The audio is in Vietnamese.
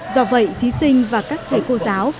do vậy thí sinh và các thầy cô giáo